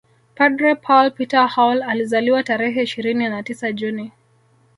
Padre Paul Peter Haule alizaliwa tarehe ishirini na tisa juni